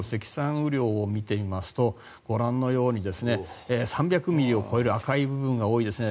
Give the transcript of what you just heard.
雨量を見てみますとご覧のように３００ミリを超える赤い部分が多いですね。